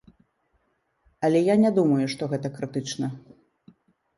Але я не думаю, што гэта крытычна.